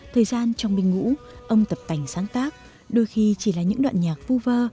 thời gian trong binh ngũ ông tập tành sáng tác đôi khi chỉ là những đoạn nhạc vu vơ